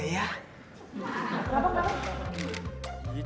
wah kenapa gak mau